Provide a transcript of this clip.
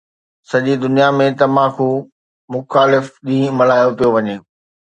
سڄي دنيا ۾ تمباڪو مخالف ڏينهن ملهايو پيو وڃي